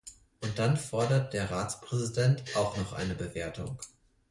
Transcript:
Und dann fordert der Ratspräsident auch noch eine Bewertung.